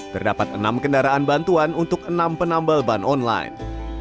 terdapat enam kendaraan bantuan untuk enam penambal ban online